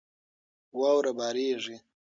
واوره بارېږي.